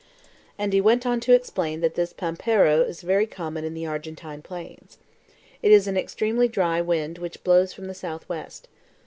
And he went on to explain that this PAMPERO is very common in the Argentine plains. It is an extremely dry wind which blows from the southwest.